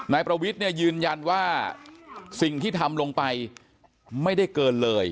นายประวิทย์เนี่ยยืนยันว่าสิ่งที่ทำลงไปไม่ได้เกินเลย